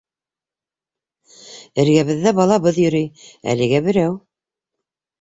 Эргәбеҙҙә балабыҙ йөрөй, әлегә берәү.